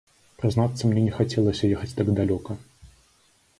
Прызнацца мне не хацелася ехаць так далёка.